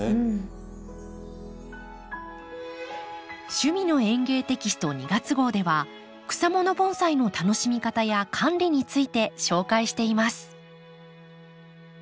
「趣味の園芸」テキスト２月号では草もの盆栽の楽しみ方や管理について紹介しています。